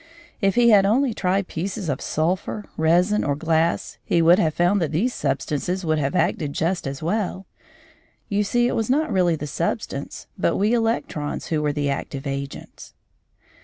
If he had only tried pieces of sulphur, resin, or glass, he would have found that these substances would have acted just as well. You see it was not really the substance, but we electrons who were the active agents.